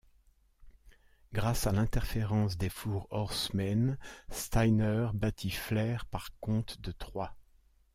Grâce à l'interférence des Four Horsemen, Steiner battit Flair par compte de trois.